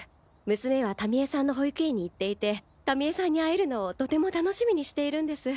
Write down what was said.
娘はタミ江さんの保育園に行っていてタミ江さんに会えるのをとても楽しみにしているんです。